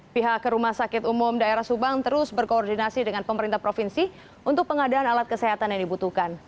pihak rumah sakit umum daerah subang terus berkoordinasi dengan pemerintah provinsi untuk pengadaan alat kesehatan yang dibutuhkan